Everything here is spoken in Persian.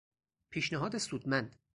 پیشنهاد سودمند